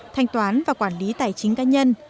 thanh toán và quản lý tài chính cá nhân